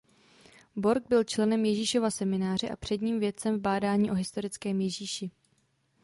Borg byl členem Ježíšova semináře a předním vědcem v bádání o historickém Ježíši.